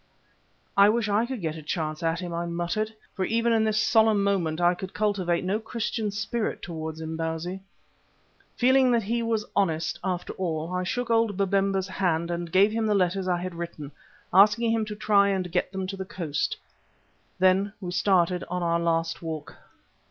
"I wish I could get a chance at him," I muttered, for even in this solemn moment I could cultivate no Christian spirit towards Imbozwi. Feeling that he was honest after all, I shook old Babemba's hand and gave him the letters I had written, asking him to try and get them to the coast. Then we started on our last walk.